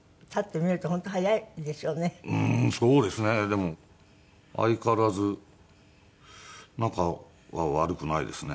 でも相変わらず仲は悪くないですね。